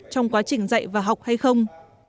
trong quá trình dạy và học hay không